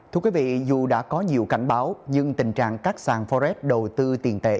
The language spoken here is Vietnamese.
thưa quý vị dù đã có nhiều cảnh báo nhưng tình trạng các sàn forex đầu tư tiền tệ